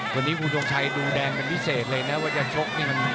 วันนี้ภูทวงชัยดูแดงเป็นพิเศษเลยนะว่าจะชก